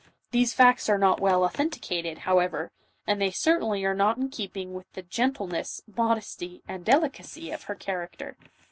These facts are not well authenticated, how ever, and they certainly afe~n6t in keeping with the gentleness, modesty, and delicacy of her character.